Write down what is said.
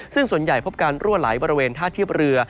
ซึ่งส่วนใหญ่พบการรั่วไหลบริเวณท่าเทียบเรือ